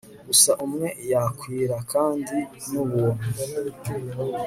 Gusa umwe yakwira kandi NUBUNTU